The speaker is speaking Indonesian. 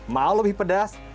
mau lebih pedas